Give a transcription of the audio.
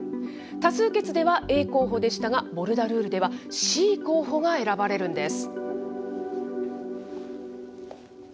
多数決ではＡ候補でしたが、ボルダルールではＣ候補が選ばれるんです。